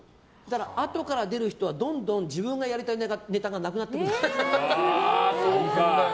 あとから出る人はどんどん自分がやりたいネタがなくなっていくんですよ。